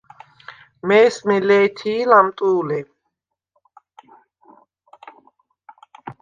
მე̄სმე ლე̄თი̄ ლამტუ̄ლე.